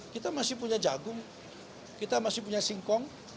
kita masih punya jagung kita masih punya singkong